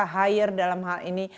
hire dalam hal ini